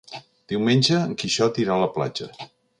Diumenge en Quixot irà a la platja.